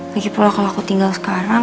lagipula kalau aku tinggal sekarang